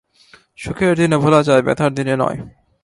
সুখের দিনে ভোলা যায়, ব্যথার দিনে নয়।